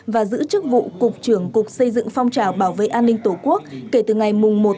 và giữ chức vụ cục trưởng cục xây dựng phong trào bảo vệ an ninh tổ quốc kể từ ngày một một mươi hai hai nghìn hai mươi một